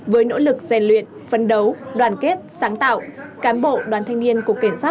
với nỗ lực dền luyện phân đấu đoàn kết sáng tạo cán bộ đoàn thanh niên cục cảnh sát